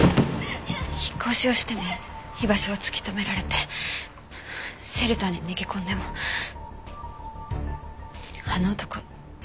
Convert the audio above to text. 引っ越しをしても居場所を突き止められてシェルターに逃げ込んでもあの男